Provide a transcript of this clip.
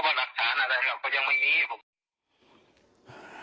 เพราะว่าหลักฐานอะไรก็ยังไม่มี